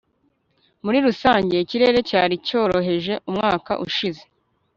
muri rusange, ikirere cyari cyoroheje umwaka ushize